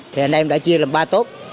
thì anh em đã chia làm ba tốt